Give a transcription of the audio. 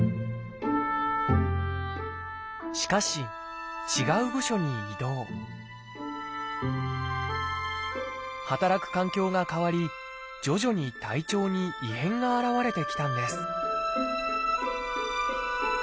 しかし違う部署に異動働く環境が変わり徐々に体調に異変が現れてきたんです